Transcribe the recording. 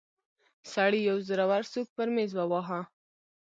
سړي يو زورور سوک پر ميز وواهه.